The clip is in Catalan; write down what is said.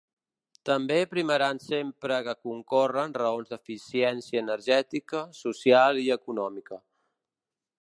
També primaran sempre que concorren raons d’eficiència energètica, social i econòmica.